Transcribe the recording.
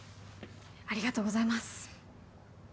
ありがとうございます。